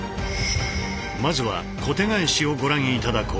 まずは「小手返し」をご覧頂こう。